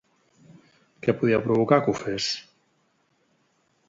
Què podia provocar que ho fes?